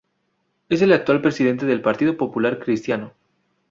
Es el actual presidente del Partido Popular Cristiano.